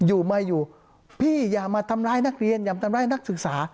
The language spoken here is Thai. อยู่มาอยู่พี่อย่ามาทำร้ายนักเรียนอย่ามาทำร้ายนักศึกษา